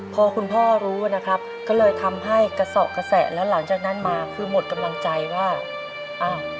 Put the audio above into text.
พอคุณพ่อรู้นะครับก็เลยทำให้กระสอบกระแสแล้วหลังจากนั้นมาคือหมดกำลังใจว่าอ้าว